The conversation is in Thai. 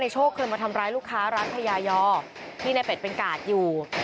โชคเคยมาทำร้ายลูกค้าร้านพญายอที่ในเป็ดเป็นกาดอยู่